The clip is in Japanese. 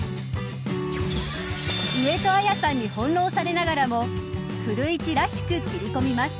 上戸彩さんに翻弄されながらも古市らしく切り込みます。